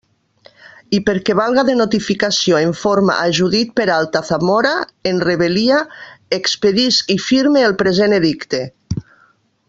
I perquè valga de notificació en forma a Judit Peralta Zamora, en rebel·lia, expedisc i firme el present edicte.